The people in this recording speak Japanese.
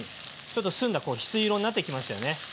ちょっと澄んだ翡翠色になってきましたよね。